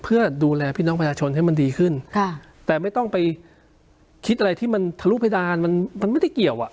เพื่อดูแลพี่น้องประชาชนให้มันดีขึ้นค่ะแต่ไม่ต้องไปคิดอะไรที่มันทะลุเพดานมันมันไม่ได้เกี่ยวอ่ะ